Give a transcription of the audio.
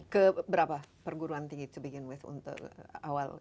ke berapa perguruan tinggi to begin with untuk awal